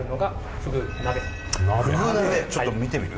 フグ鍋ちょっと見てみる？